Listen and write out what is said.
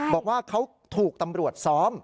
บอกว่าเขาถูกตำรวจซ้อม